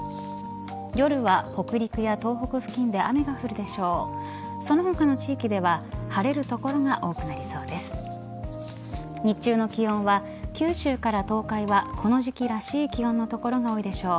夜は北陸や東北付近で雨が降るでしょう。